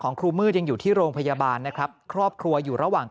ครูมืดยังอยู่ที่โรงพยาบาลนะครับครอบครัวอยู่ระหว่าง